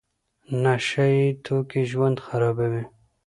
نشه يي توکي ژوند خرابوي.